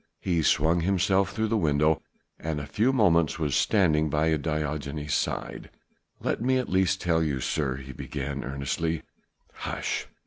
He swung himself through the window, and in a few moments was standing by Diogenes' side. "Let me at least tell you, sir ..." he began earnestly. "Hush!